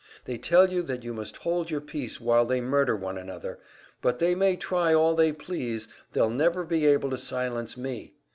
They tell you that you must hold your peace while they murder one another, but they may try all they please, they'll never be able to silence me!